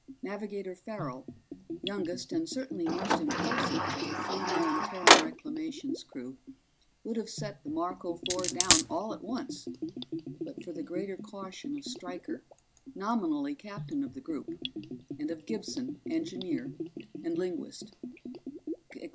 Navigator Farrell, youngest and certainly most impulsive of the three man Terran Reclamations crew, would have set the Marco Four down at once but for the greater caution of Stryker, nominally captain of the group, and of Gibson, engineer, and linguist.